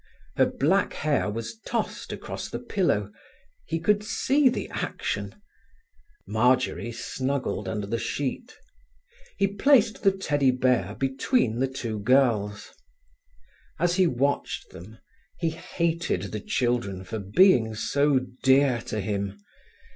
Her black hair was tossed across the pillow: he could see the action. Marjory snuggled under the sheet. He placed the teddy bear between the two girls. As he watched them, he hated the children for being so dear to him.